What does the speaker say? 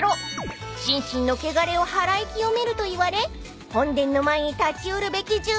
［心身の汚れをはらい清めるといわれ本殿の前に立ち寄るべき重要な場所］